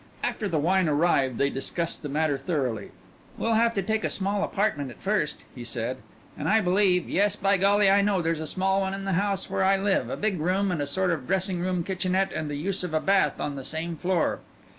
After the wine arrived they discussed the matter thoroughly. "We'll have to take a small apartment at first," he said, "and I believe, yes, by golly, I know there's a small one in the house where I live, a big room and a sort of a dressing room kitchenette and the use of a bath on the same floor."